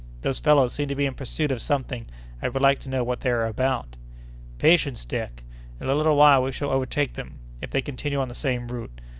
"Those fellows seem to be in pursuit of something. I would like to know what they are about." "Patience, Dick! In a little while we shall overtake them, if they continue on the same route.